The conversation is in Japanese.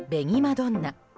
どんな。